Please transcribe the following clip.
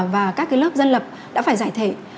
và các lớp dân lập đã phải giải thể